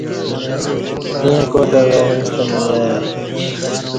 ییں کاٹ اوہ ییݩستہ ننوعݩہ